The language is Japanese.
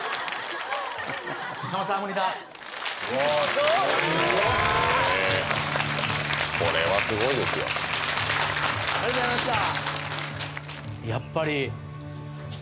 すごいなぁこれはすごいですよありがとうございました